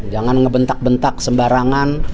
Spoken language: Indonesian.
jangan ngebentak bentak sembarangan